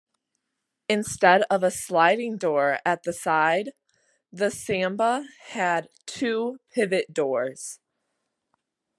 Instead of a sliding door at the side the Samba had two pivot doors.